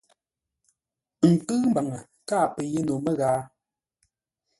Ə nkʉ̂ʉ mbaŋə, káa pə́ yé no məghaa.